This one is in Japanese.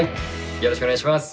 よろしくお願いします。